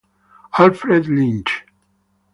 Alfred Lynch